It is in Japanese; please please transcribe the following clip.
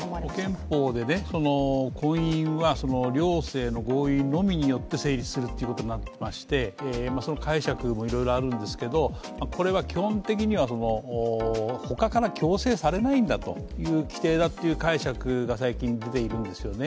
憲法で婚姻は両性の合意のみによって成立するということになっていまして、その解釈もいろいろあるんですがこれは基本的には、他から強制されないんだという規定だという解釈が最近出ているんですよね。